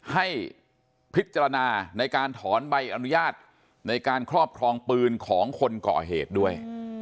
ให้พิจารณาในการถอนใบอนุญาตในการครอบครองปืนของคนก่อเหตุด้วย